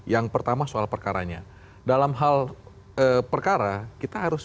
yang pertama terkait